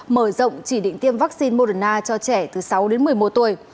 mở rộng chỉ định tiêm vaccine moderna cho trẻ từ sáu đến một mươi một tuổi